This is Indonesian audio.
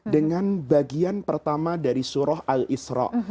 dengan bagian pertama dari surah al israq